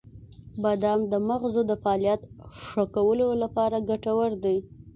• بادام د مغزو د فعالیت ښه کولو لپاره ګټور دی.